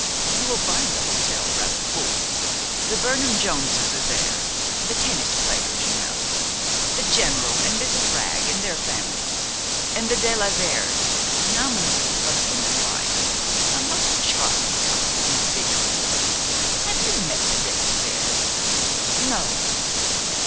You will find the hotel rather full. The Burnham Joneses are there, the tennis players, you know, and General and Mrs. Wragg and their family, and the de la Veres, nominally husband and wife, a most charming couple individually. Have you met the de la Veres? No?